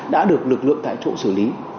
đã được lực lượng tại chỗ xử lý